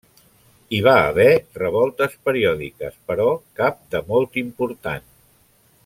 Hi va haver revoltes periòdiques però cap de molt important.